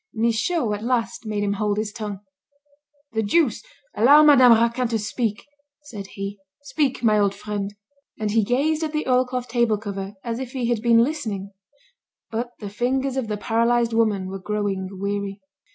Michaud at last made him hold his tongue. "The deuce! Allow Madame Raquin to speak," said he. "Speak, my old friend." And he gazed at the oilcloth table cover as if he had been listening. But the fingers of the paralysed woman were growing weary.